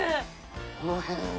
この辺は。